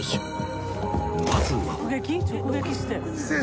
［まずは］